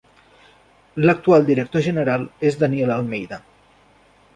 L'actual director general és Daniel Almeida.